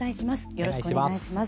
よろしくお願いします。